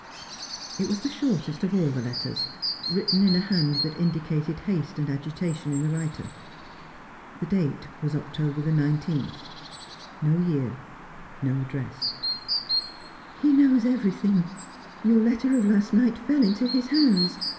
It was the shortest of all the letters, written in a hand that indicated haste and agitation in the writer. The date was Octobe the nineteenth. No year ; no address. ' He knows everything. Your letter of last night fell into his hands.